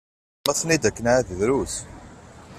Ma tenniḍ akken εad drus.